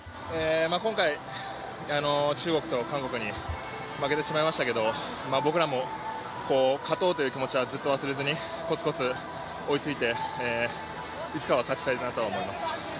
今回、中国と韓国に負けてしまいましたけれども、僕らも勝とうという気持ちはずっと忘れずに、コツコツ追いついて、いつかは勝ちたいなと思います。